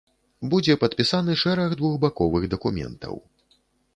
Будзе падпісаны шэраг двухбаковых дакументаў.